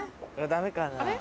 ダメかな。